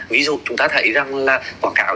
ví dụ chúng ta thấy quảng cáo